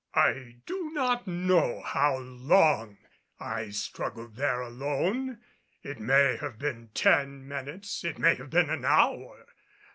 I do not know how long I struggled there alone. It may have been ten minutes it may have been an hour.